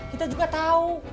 kita juga tau